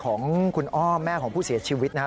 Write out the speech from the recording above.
ของคุณอ้อมแม่ของผู้เสียชีวิตนะครับ